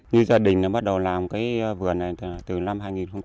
như gia đình bắt đầu làm cái vườn này từ năm hai nghìn một mươi